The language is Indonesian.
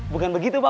bukan begitu pak